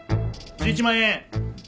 １１万円。